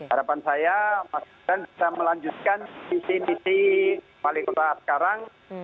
harapan saya mas gita bisa melanjutkan di sisi sisi pali kota sekarang